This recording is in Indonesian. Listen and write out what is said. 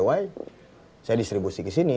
saya distribusi kesini